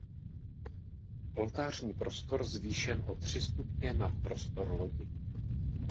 Oltářní prostor zvýšen o tři stupně nad prostor lodi.